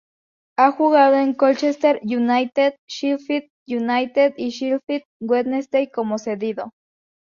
Ha jugado en Colchester United, Sheffield United y Sheffield Wednesday como cedido.